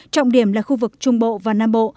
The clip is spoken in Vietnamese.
trọng điểm là khu vực trung bộ và nam bộ